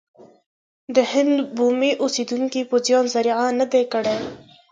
د هند بومي اوسېدونکو پوځیانو درېغ نه دی کړی.